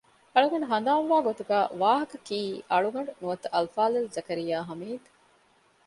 އަޅުގަނޑު ހަނދާންވާ ގޮތުގައި ވާހަކަ ކިއީ އަޅުގަޑު ނުވަތަ އަލްފާޟިލް ޒަކަރިޔާ ޙަމީދު